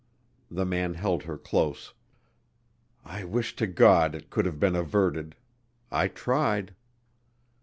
The man held her close. "I wish to God it could have been averted. I tried."